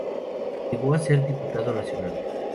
Llegó a ser diputado nacional.